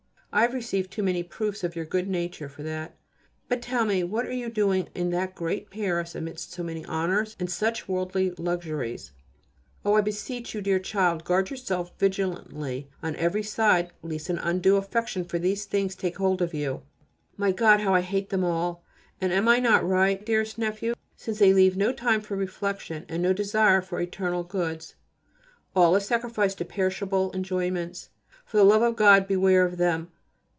I have received too many proofs of your good nature for that. But, tell me, what are you doing in that great Paris amidst so many honours and such worldly luxuries? Oh! I beseech of you, dear child, guard yourself vigilantly on every side, lest an undue affection for these things take hold of you. My God! how I hate them all. And am I not right, dearest nephew, since they leave no time for reflection, and no desire for eternal goods? All is sacrificed to perishable enjoyments. For the love of God beware of them.